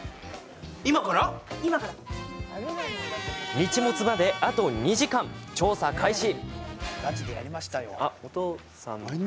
日没まであと２時間、調査を開始。